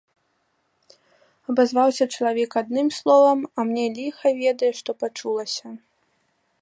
Абазваўся чалавек адным словам, а мне ліха ведае што пачулася.